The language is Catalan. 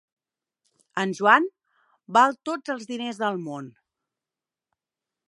En Joan val tots els diners del món.